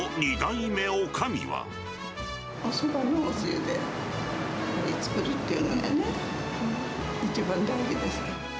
おそばのおつゆで作るっていうのがね、一番大事ですから。